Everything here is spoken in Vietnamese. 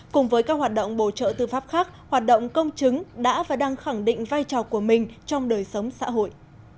cùng với các hoạt động bổ trợ tư pháp khác hoạt động công chứng đã và đang khẳng định vai trò của mình trong đời sống xã hội